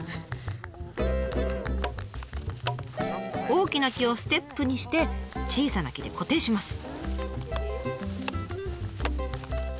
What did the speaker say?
大きな木をステップにして小さな木で固定します。